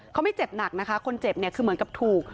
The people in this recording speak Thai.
เขาไม่เจ็บหนักนะคะคนเจ็บเนี่ยคือเหมือนกับถูก